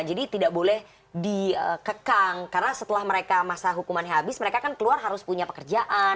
jadi tidak boleh dikekang karena setelah mereka masa hukuman yang habis mereka kan keluar harus punya pekerjaan